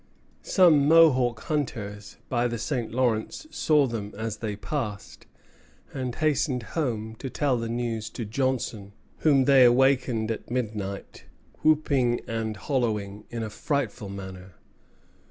Some Mohawk hunters by the St. Lawrence saw them as they passed, and hastened home to tell the news to Johnson, whom they wakened at midnight, "whooping and hollowing in a frightful manner."